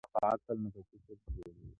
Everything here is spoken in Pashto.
نه په عقل نه په فکر کي جوړیږي !.